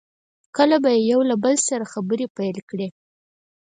کله به یې یو له بل سره خبرې پیل کړې.